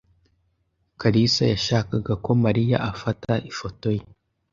Kalisa yashakaga ko Mariya afata ifoto ye.